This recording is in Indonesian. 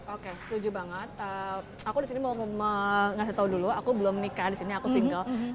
oke setuju banget aku disini mau ngasih tahu dulu aku belum nikah disini aku single